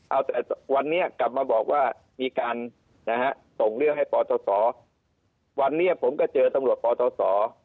เอาแต่วันนี้กลับมาบอกว่ามีการนะฮะส่งเรื่องให้ปศวันนี้ผมก็เจอตำรวจปศ